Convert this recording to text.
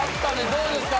どうですか？